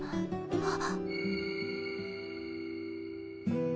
あっ。